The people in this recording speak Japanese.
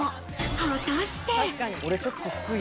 果たして。